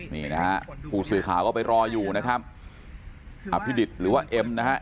นี่นะครับผู้สื่อข่าวก็ไปรออยู่นะครับอัพพฤดิตหรือว่าเอ็มนะครับ